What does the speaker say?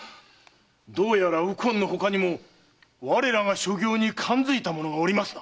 どうやら右近の他にも我らが所業に感づいた者がおりますな。